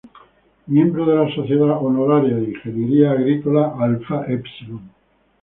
Miembro de la Sociedad Honoraria de Ingeniería Agrícola Alpha-Epsilon.